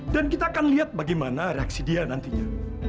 dan kita akan lihat bagaimana reaksi dia nantinya